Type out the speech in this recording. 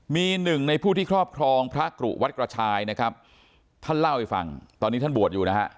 มีหนึ่งในผู้ที่ครอบครองพระกรุวัดกระชายนะครับท่านเล่าให้ฟังตอนนี้ท่านบวชอยู่นะฮะ